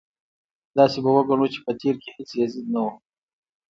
داسې به وګڼو چې په تېر کې هېڅ یزید نه و.